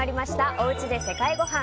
おうちで世界ごはん。